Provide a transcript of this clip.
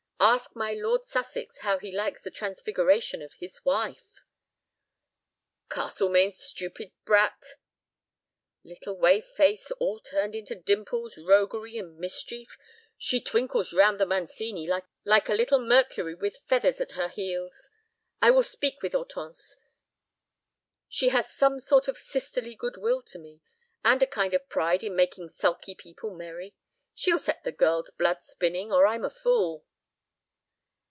Ask my Lord Sussex how he likes the transfiguration of his wife." "Castlemaine's stupid brat!" "Little whey face all turned into dimples, roguery, and mischief. She twinkles round the Mancini like a little Mercury with feathers at her heels. I will speak with Hortense; she has some sort of sisterly good will to me, and a kind of pride in making sulky people merry. She'll set the girl's blood spinning, or I'm a fool."